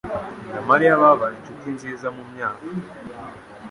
na Mariya babaye inshuti nziza mumyaka.